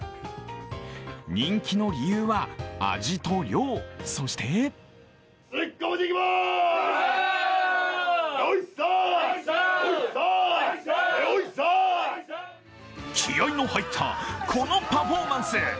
人気の理由は味と量、そして気合いの入ったこのパフォーマンス。